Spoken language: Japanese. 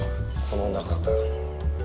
この中か。